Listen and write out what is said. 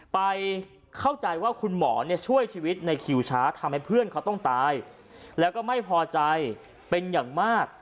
ไปเข้าใจว่าคุณหมอเนี่ยช่วยชีวิตในคิวช้าทำให้เพื่อนเขาต้องตายแล้วก็ไม่พอใจเป็นอย่างมาก